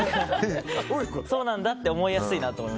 そうなんだって思いやすいなって。